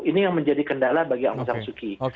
ini yang menjadi kendala bagi aung sang suki